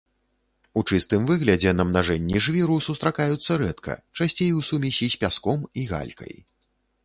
У чыстым выглядзе намнажэнні жвіру сустракаюцца рэдка, часцей у сумесі з пяском і галькай.